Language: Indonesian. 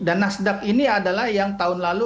dan nasdaq ini adalah yang tahun lalu